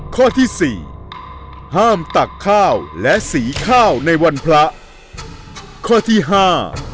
ข้อที่สี่ห้ามตักข้าวและสีข้าวในวันพระข้อที่ห้า